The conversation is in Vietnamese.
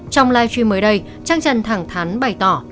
trong live stream mới đây trang trần thẳng thắn bày tỏ